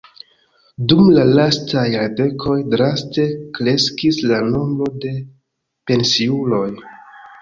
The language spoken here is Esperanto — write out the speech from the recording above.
Dum la lastaj jardekoj draste kreskis la nombro de pensiuloj.